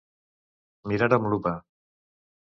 Mirar amb lupa.